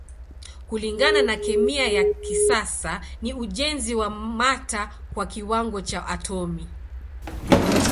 Kulingana na kemia ya kisasa ni ujenzi wa mata kwa kiwango cha atomi.